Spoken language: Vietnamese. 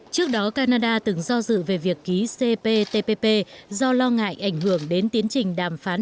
trước đó canada từng do dự về việc ký cptpp do lo ngại ảnh hưởng đến tiến trình đàm phán